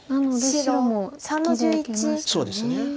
白も引きで受けましたね。